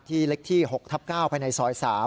เล็กที่๖ทับ๙ภายในซอย๓